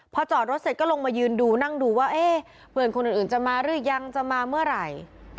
พอจอดรถเสร็จก็ลงมายืนดูนั่งดูว่าเอ๊ะเพื่อนคนอื่นจะมาหรือยังจะมาเมื่อไหร่